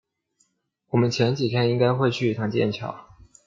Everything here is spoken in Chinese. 我们前几天应该会去一趟剑桥